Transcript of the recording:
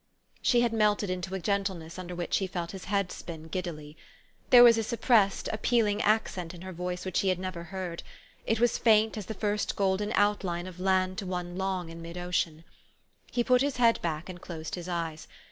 She had melted into a gentleness under which he felt his head spin giddily. There was a suppressed, appealing accent in her voice which he had never heard : it was faint as the first golden outline of land to one long in mid ocean. He put his head back, and closed his eyes.